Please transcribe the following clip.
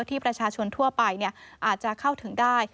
ที่ประชาชนทั่วไปอาจจะเข้าถึงได้